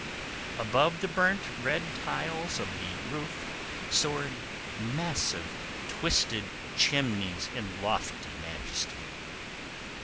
Above the burnt red tiles of the roof soared massive twisted chimneys in lofty majesty.